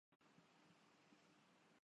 کبھی کبھار زیادتی کر جاتا ہوں